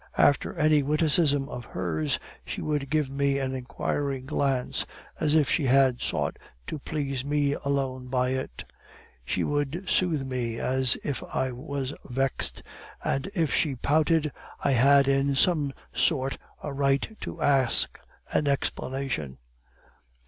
After any witticism of hers, she would give me an inquiring glance, as if she had sought to please me alone by it. She would soothe me if I was vexed; and if she pouted, I had in some sort a right to ask an explanation.